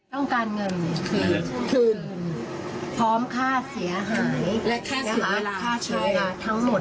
ต้องการเงินคือพื้นพร้อมค่าเสียหายและค่าเสียเวลาใช่ค่าเสียหายทั้งหมด